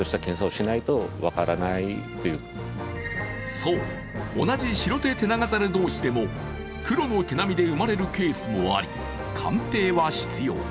そう、同じシロテテナガザル同士でも黒の毛並みで生まれるケースもあり、鑑定は必要。